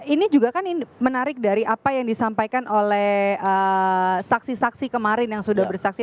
ini juga kan menarik dari apa yang disampaikan oleh saksi saksi kemarin yang sudah bersaksi